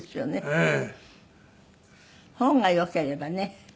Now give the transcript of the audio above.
ええ。